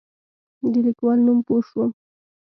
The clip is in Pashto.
د لیکوال نوم پوه شوم.